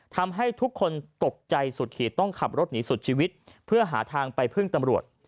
ทำให้ทุกคนตกใจสุดขีดต้องขับรถหนีสุดชีวิตเพื่อหาทางไปพึ่งตำรวจ